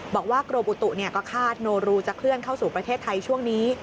บอกว่ากรมอุตุก็คาดโนรูจะเคลื่อนเข้าสู่ประเทศไทยช่วงนี้